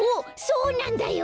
そうなんだよ。